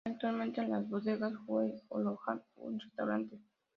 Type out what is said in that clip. Actualmente, las Bodegas Güell alojan un restaurante.